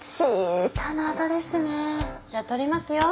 じゃ撮りますよ。